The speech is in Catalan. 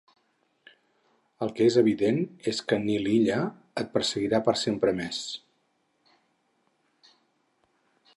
El que és evident és que el Nil Illa et perseguirà per sempre més.